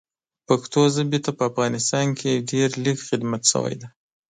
پښتو ژبې ته په افغانستان کې ډېر لږ خدمت شوی ده